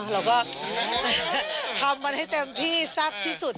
เราก็ทำมันให้เต็มที่แซ่บที่สุด